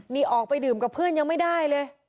นี่ออกไปดื่มกับเพื่อนยังไม่ได้เลย